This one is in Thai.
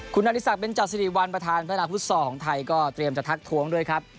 คุณนาฬิสักเป็นจาศิริวัลประธานพระนาพุทธศอดิ์ของไทยก็เตรียมจะทักท้วงด้วยครับ